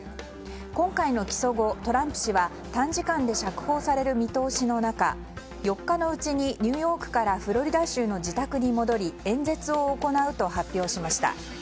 今回の起訴後、トランプ氏は短時間で釈放される見通しの中４日のうちにニューヨークからフロリダ州の自宅に戻り演説を行うと発表しました。